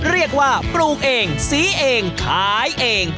เรียกว่าปลูกเองสีเองขายเอง